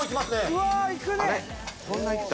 うわあ！いくね！